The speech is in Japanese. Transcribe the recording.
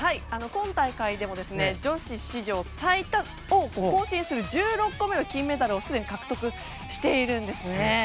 今大会でも女子史上最多を更新する１６個目の金メダルをすでに獲得しているんですよね。